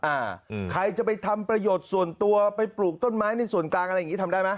อ่าใครจะไปทำประโยชน์ส่วนตัวไปปลูกต้นไม้ในส่วนกลางอะไรอย่างงี้ทำได้ไหม